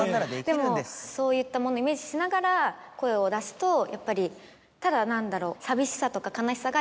でもそういったものをイメージしながら声を出すとやっぱりただ何だろう。